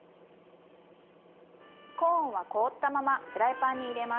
コーンは凍ったままフライパンに入れます。